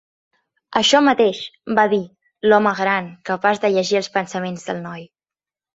"Això mateix", va dir l'home gran, capaç de llegir els pensaments del noi.